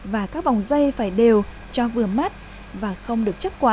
và các vòng dây phải đều cho vừa mắt và không được chấp quán